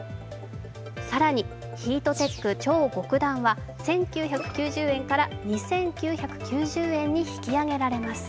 更にヒートテック超極暖は１９９０円から２９９０円に引き上げられます。